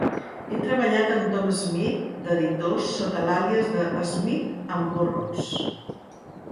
Ha treballat amb Tom Smith d'Editors sota l'àlies de "Smith and Burrows".